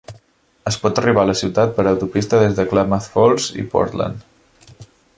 Es pot arribar a la ciutat per autopista des de Klamath Falls i Portland.